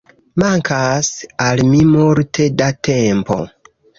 Mankas al mi multe da tempo